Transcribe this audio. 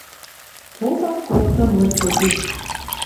Попат коктын лычыге: